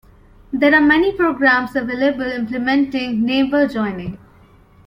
There are many programs available implementing neighbor joining.